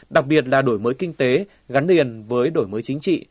đặc biệt là đổi mới kinh tế gắn liền với đổi mới chính trị